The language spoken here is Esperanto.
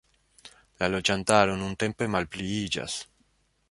La loĝantaro nuntempe malpliiĝas.